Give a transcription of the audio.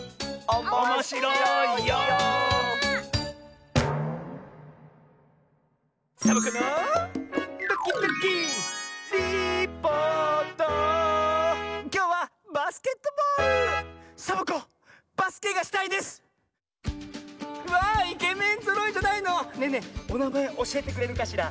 おなまえおしえてくれるかしら？